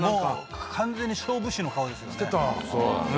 完全に勝負師の顔ですよね。